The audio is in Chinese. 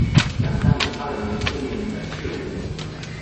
奖项以他的名字命名的事物